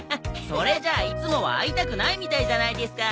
それじゃあいつもは会いたくないみたいじゃないですか！